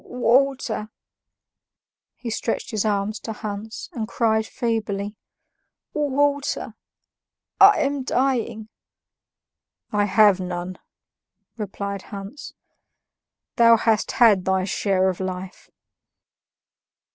"Water!" he stretched his arms to Hans, and cried feebly, "Water! I am dying." "I have none," replied Hans; "thou hast had thy share of life."